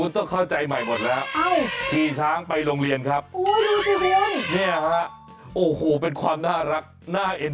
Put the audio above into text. ไม่ใช่ขี่ช้างจับต้างกาแตเนอะ